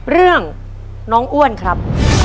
เรื่องน้องอ้วนครับ